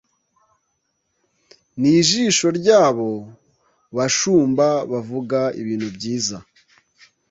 Nijisho ryabo bashumba bavuga ibintu byiza